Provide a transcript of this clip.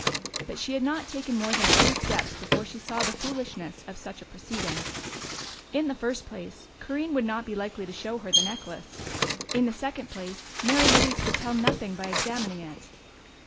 But she had not taken more than a few steps before she saw the foolishness of such a proceeding. In the first place, Corinne would not be likely to show her the necklace; in the second place, Mary Louise could tell nothing by examining it.